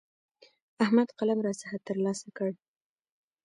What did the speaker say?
احمد قلم راڅخه تر لاسه کړ.